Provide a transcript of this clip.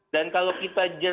dan kalau kita